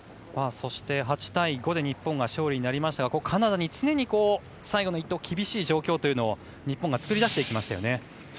そして、８対５で日本の勝利になりましたがカナダに常に、最後の１投厳しい状況を日本が作り出していきましたね。